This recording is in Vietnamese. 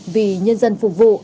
vì nhân dân phục vụ